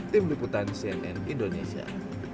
tim liputan cnn indonesia